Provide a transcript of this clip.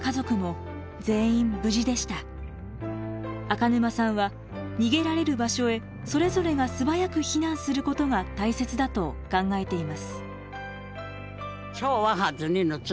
赤沼さんは逃げられる場所へそれぞれが素早く避難することが大切だと考えています。